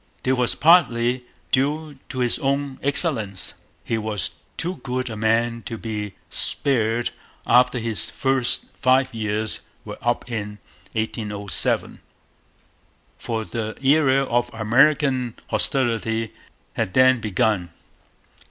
This was partly due to his own excellence: he was too good a man to be spared after his first five years were up in 1807; for the era of American hostility had then begun.